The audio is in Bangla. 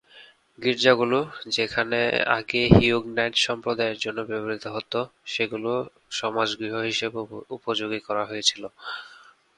গির্জাগুলো, যেগুলো আগে হিউগন্যাট সম্প্রদায়ের জন্য ব্যবহৃত হতো, সেগুলো সমাজগৃহ হিসেবে উপযোগী করা হয়েছিল।